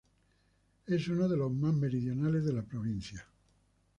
Es uno de los más meridionales de la provincia.